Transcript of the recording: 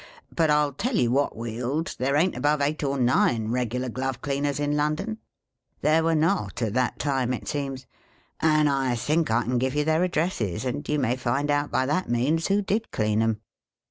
But I '11 tell you what, Wield, there ain't above eight or nine reg'lar glove cleaners in London,' — there were not, at that time, it seems — 'and I think I can give you their addresses, and you may find out, by that means, who did clean 'em.'